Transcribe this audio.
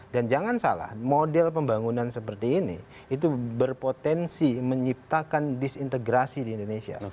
dan jangan salah model pembangunan seperti ini itu berpotensi menciptakan disintegrasi di indonesia